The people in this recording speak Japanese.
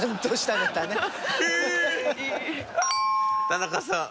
田中さん。